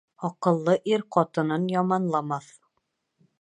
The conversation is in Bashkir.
Аҡыллы ир ҡатынын яманламаҫ.